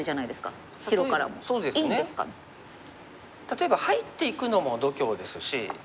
例えば入っていくのも度胸ですし。